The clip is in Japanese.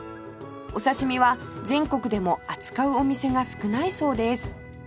お刺し身は全国でも扱うお店が少ないそうです